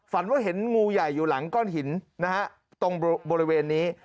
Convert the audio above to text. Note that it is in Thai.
ฝันว่าเห็นงูใหญ่อยู่หลังก้อนหินนะฮะตรงบริเวณนี้